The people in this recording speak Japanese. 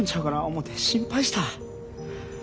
思て心配した。